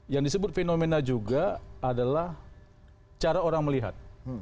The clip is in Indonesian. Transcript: yang disebut fenomena juga adalah cara orang melihat